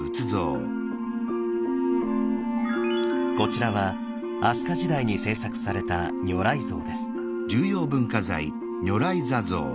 こちらは飛鳥時代に制作された如来像です。